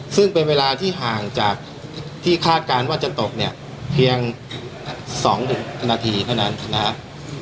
ซึ่งเป็นเวลาที่ห่างจากที่คาดการณ์ว่าจะตกเนี่ยเพียง๒นาทีเท่านั้นนะครับ